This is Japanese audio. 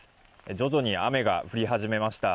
徐々に雨が降り始めました。